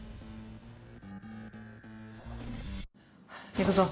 行くぞ。